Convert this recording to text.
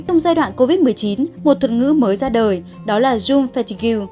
trong giai đoạn covid một mươi chín một thuật ngữ mới ra đời đó là zoom fatiga